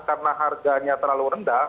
karena harganya terlalu rendah